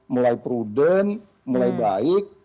mulai prudent mulai baik